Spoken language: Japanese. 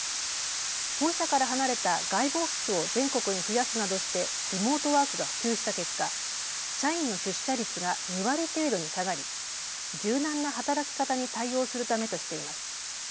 本社から離れた外部オフィスを全国に増やすなどしてリモートワークが普及した結果、社員の出社率が２割程度に下がり柔軟な働き方に対応するためとしています。